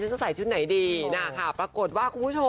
ชั้นจะใส่ชุดไหนดีน่ะค่ะ